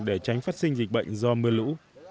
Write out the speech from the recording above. để tránh phát sinh dịch bệnh do mưa lũ